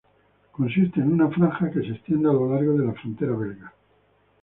Consiste en una franja que se extiende a lo largo de la frontera belga.